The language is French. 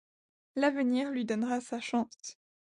L'avenir lui donnera sa chance.